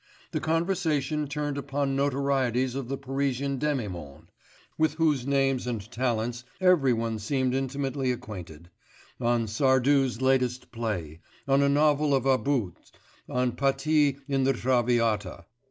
The conversation turned upon notorieties of the Parisian demi monde, with whose names and talents every one seemed intimately acquainted, on Sardou's latest play, on a novel of About's, on Patti in the Traviata.